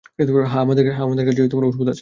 হ্যাঁ, আমাদের কাছে ঔষধ আছে।